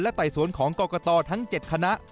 ไต่สวนของกรกตทั้ง๗คณะ